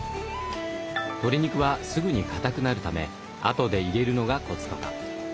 鶏肉はすぐに固くなるためあとで入れるのがコツとか。